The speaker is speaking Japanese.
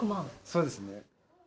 そうですね。